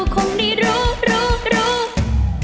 ใจรองได้ช่วยกันรองด้วยนะคะ